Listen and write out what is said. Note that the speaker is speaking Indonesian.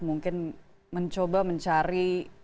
mungkin mencoba mencari